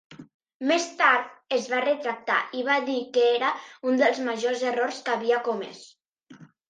Més tard, es va retractar, i va dir que era un dels majors errors que havia comès.